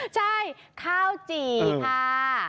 ใช่ข้าวจี่ค่ะ